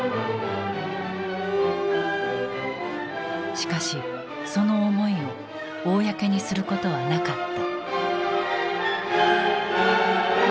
しかしその思いを公にすることはなかった。